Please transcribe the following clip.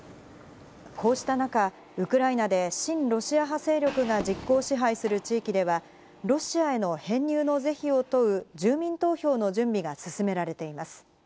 こうした中、ウクライナで親ロシア派勢力が実効支配する地域ではロシアへの編入の是非を問う住民投票の準備が進められています。